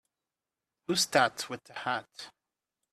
Who's that with the hat?